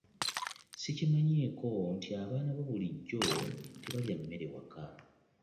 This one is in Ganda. Ssikimanyiiko nti abaana bo bulijjo tebalya mmere waka!